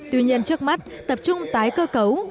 tuy nhiên trước mắt tập trung tái cơ cấu